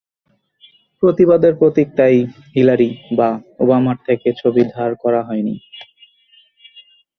প্রতিবাদের প্রতীক তাই হিলারি বা ওবামার থেকে ছবি ধার করা হয়নি।